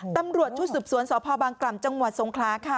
ตำรวจชุดสืบสวนสพบางกล่ำจังหวัดทรงคลาค่ะ